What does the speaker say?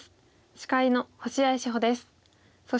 司会の星合志保です。